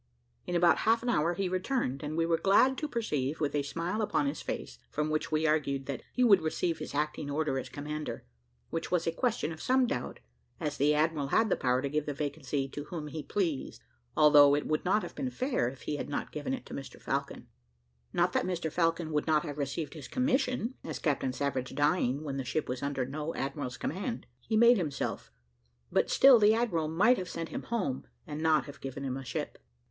In about half an hour he returned, and we were glad to perceive, with a smile upon his face, from which we argued that he would receive his acting order as commander, which was a question of some doubt, as the admiral had the power to give the vacancy to whom he pleased, although it would not have been fair if he had not given it to Mr Falcon; not that Mr Falcon would not have received his commission, as Captain Savage dying when the ship was under no admiral's command, he made himself; but still the admiral might have sent him home, and not have given him a ship.